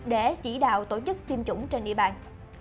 để chỉ đạo tổ chức tiêm chủng trên địa bàn